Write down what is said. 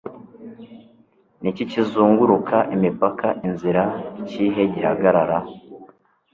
Niki kizunguruka imipaka inzira ikihe gihagarara